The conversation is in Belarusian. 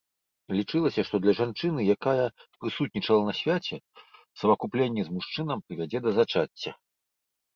Лічылася, што для жанчыны, якая прысутнічала на свяце, савакупленне з мужчынам прывядзе да зачацця.